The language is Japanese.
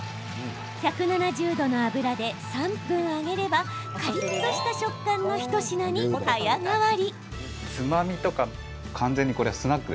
１７０度の油で、３分揚げればカリっとした食感のひと品に早変わり。